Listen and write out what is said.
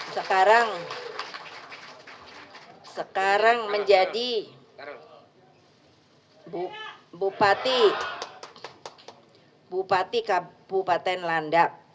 sekarang sekarang menjadi bupati kabupaten landak